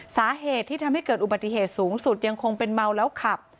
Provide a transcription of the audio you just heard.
สาเหตุที่ทำให้เกิดอุบัติเหตุสูงสุดยังคงเป็นเมาแล้วขับ